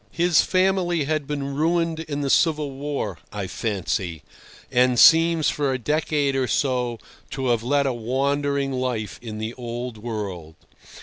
His family had been ruined in the Civil War, I fancy, and seems for a decade or so to have led a wandering life in the Old World.